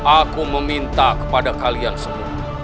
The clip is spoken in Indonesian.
aku meminta kepada kalian semua